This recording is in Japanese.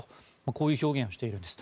こういう表現をしているんです。